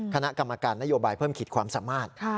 คณะกรรมการนโยบายเพิ่มขีดความสามารถ